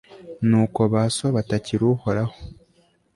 nuko ba so batakira uhoraho